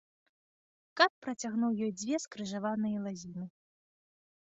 Кат працягнуў ёй дзве скрыжаваныя лазіны.